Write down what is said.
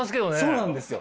そうなんですよ。